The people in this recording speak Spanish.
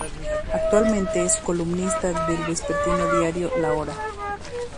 Actualmente es columnista del vespertino Diario La Hora.